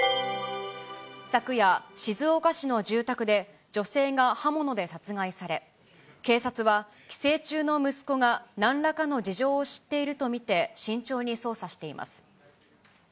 昨夜、静岡市の住宅で、女性が刃物で殺害され、警察は、帰省中の息子がなんらかの事情を知っていると見て慎重に捜査しています。